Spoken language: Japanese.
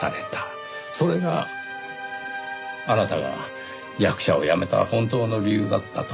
それがあなたが役者を辞めた本当の理由だったと。